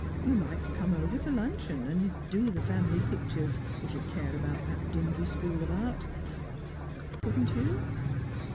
You might come over to luncheon, and do the family pictures, if you care about that dingy school of art; — couldn't you